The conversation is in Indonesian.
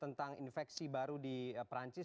tentang infeksi baru di perancis